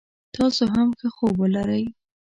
تاسو هم ښه خوب ولری